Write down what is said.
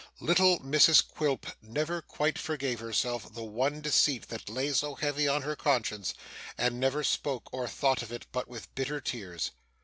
Little Mrs Quilp never quite forgave herself the one deceit that lay so heavy on her conscience, and never spoke or thought of it but with bitter tears.